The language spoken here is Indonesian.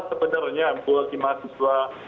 sebenarnya buat imah siswa